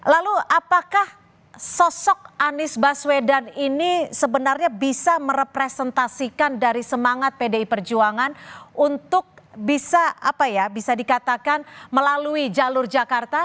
lalu apakah sosok anies baswedan ini sebenarnya bisa merepresentasikan dari semangat pdi perjuangan untuk bisa apa ya bisa dikatakan melalui jalur jakarta